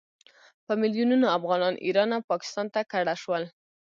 په میلونونو افغانان ایران او پاکستان ته کډه شول.